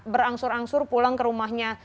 berangsur angsur pulang ke rumahnya